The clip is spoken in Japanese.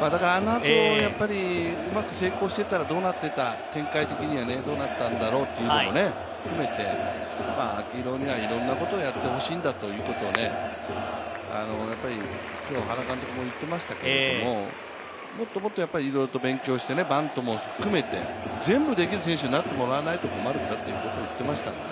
あのあと、やっぱりうまく成功していたら展開的にはどうなっていたんだろうっていうのを含めて、秋広にはいろんなことをやってほしいんだということを今日原監督も言っていましたけれども、もともっとやっぱりいろいろ勉強して、バントを含めて全部できる選手になってもらわないと困るんだっていうようなことを言ってましたからね。